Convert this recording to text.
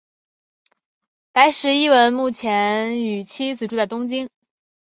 白石一文目前与妻子住在东京。